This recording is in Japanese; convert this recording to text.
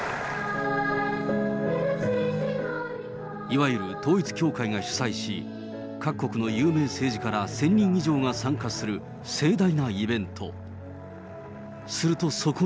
いわゆる統一教会が主催し、各国の有名政治家ら１０００人以上が参加する盛大なイベント。